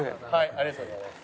ありがとうございます。